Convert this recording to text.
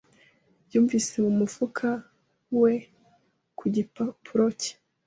Yumvise mu mufuka we ku gikapu cye.